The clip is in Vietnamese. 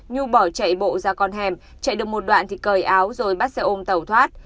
nhu bỏ chạy bộ ra con hẻm chạy được một đoạn thì cởi áo rồi bắt xe ôm tàu thoát